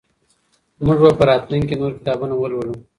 موږ به په راتلونکي کي نور کتابونه ولولو.